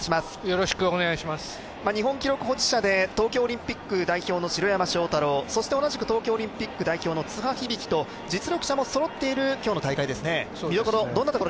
日本記録保持者で東京オリンピック代表の城山正太郎、そして同じく東京オリンピック代表の津波響樹と実力者もそろっている今日の大会ですね。